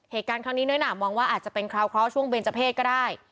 เหตุการณ์ในน้อยหน่ามองว่าอาจเป็นคราวช่วงเบนเจอเพศก็ได้